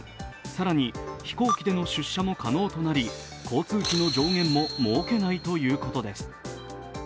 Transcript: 更に飛行機での出社も可能となり交通費の上限も設けないということです。